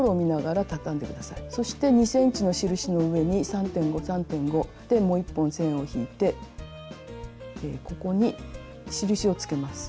そして２ｃｍの印の上に３．５３．５でもう１本線を引いてここに印をつけます。